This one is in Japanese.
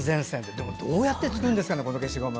でも、どうやって作るんですかこの消しゴム。